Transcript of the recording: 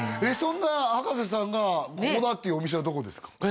そんな葉加瀬さんがここだっていうお店はどこですか？